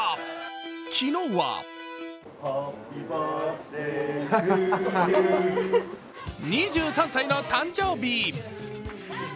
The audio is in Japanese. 昨日は２３歳の誕生日。